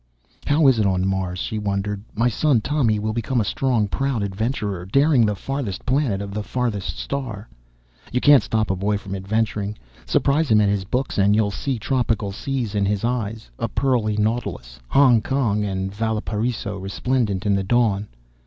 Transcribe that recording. _ How is it on Mars, she wondered. My son, Tommy, will become a strong, proud adventurer daring the farthest planet of the farthest star? You can't stop a boy from adventuring. Surprise him at his books and you'll see tropical seas in his eyes, a pearly nautilus, Hong Kong and Valparaiso resplendent in the dawn.